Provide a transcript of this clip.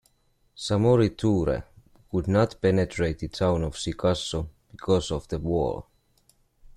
Samori Toure could not penetrate the town of Sikasso because of the wall.